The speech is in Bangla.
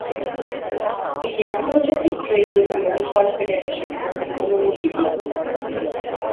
এটি আন্তর্জাতিক ট্রেড ইউনিয়ন কনফেডারেশন কর্তৃক অনুমোদিত।